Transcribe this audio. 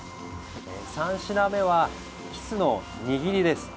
３品目はキスの握りです。